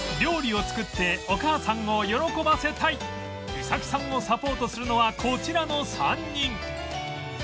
衣咲さんをサポートするのはこちらの３人